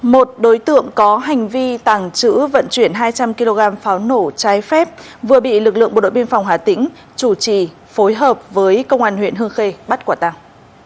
một đối tượng có hành vi tàng trữ vận chuyển hai trăm linh kg pháo nổ trái phép vừa bị lực lượng bộ đội biên phòng hà tĩnh chủ trì phối hợp với công an huyện hương khê bắt quả tàng